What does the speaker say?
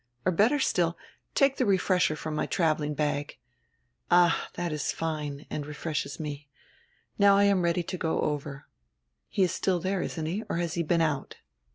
Or, better still, take die 'refresher' from my traveling bag — Ah, that is fine and refreshes me. Now I am ready to go over. He is still there, isn't he, or has he been out?"